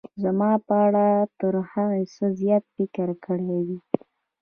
زما په اړه تر هغه څه زیات فکر کړی وي.